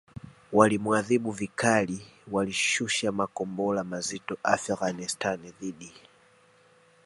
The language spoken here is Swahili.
walimuadhibu vikali Walishusha makombora mazito Afghanistan dhidi